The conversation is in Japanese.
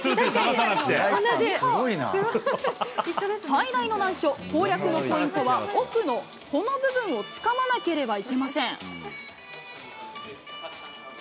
最大の難所、攻略のポイントは、奥のこの部分をつかまなければいけません。